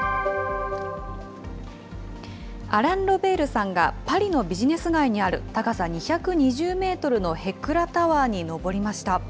アラン・ロベールさんがパリのビジネス街にある高さ２２０メートルのヘクラ・タワーに上りました。